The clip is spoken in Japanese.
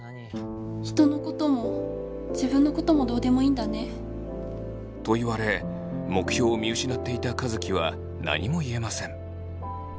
人のことも自分のこともどうでもいいんだね。と言われ目標を見失っていた和樹は何も言えません。